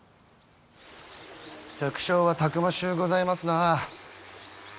百姓はたくましゅうございますなぁ。